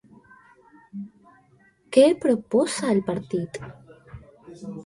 Què proposa el partit?